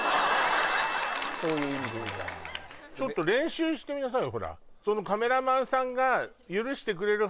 ちょっと練習してみなさいよ。